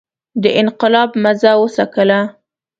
د انقلاب مزه وڅکله.